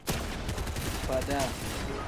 Faada.